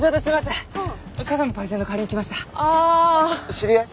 知り合い？